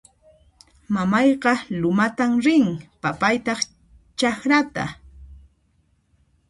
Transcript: Mamayqa lumatan rin; papaytaq chakrata